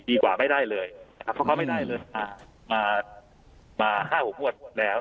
กว่าไม่ได้เลยนะครับเพราะเขาไม่ได้เลยมามาห้าหกงวดแล้ว